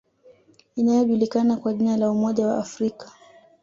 Inayojulikana kwa jina la Umoja wa Afrika